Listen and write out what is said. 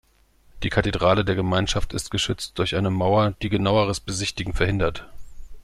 Die Kathedrale der Gemeinschaft ist geschützt durch eine Mauer, die genaueres Besichtigen verhindert.